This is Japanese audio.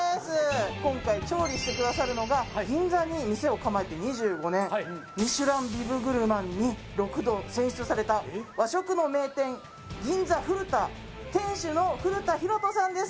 今回調理してくださるのがミシュランビブグルマンに６度選出された和食の名店「銀座ふる田」店主の古田浩人さんです